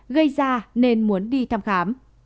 gây ra nên muốn đi thăm khám